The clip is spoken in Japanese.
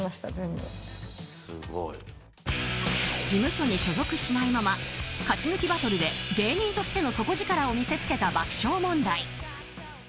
事務所に所属しないまま勝ち抜きバトルで芸人としての底力を見せつけた爆笑問題。